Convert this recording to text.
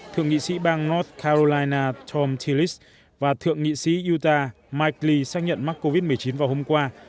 thượng nghị sĩ bang north carolina tom tillich và thượng nghị sĩ utah mike lee xác nhận mắc covid một mươi chín vào hôm qua